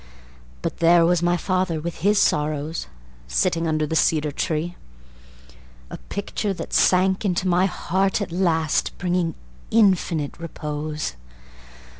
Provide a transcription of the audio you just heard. But there was my father with his sorrows, Sitting under the cedar tree, A picture that sank into my heart at last Bringing infinite repose.